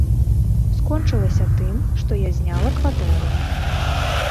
Скончылася тым, што я зняла кватэру.